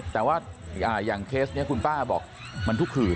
แต่ว่าอย่างเคสนี้คุณป้าบอกมันทุกคืน